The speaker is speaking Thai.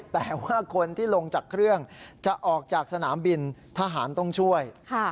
แต่ว่าคนที่ลงจากเครื่องจะออกจากสนามบินทหารต้องช่วย